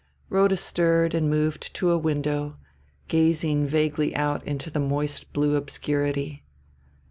Rhoda stirred and moved to a window, gazing vaguely out into the moist blue obscurity.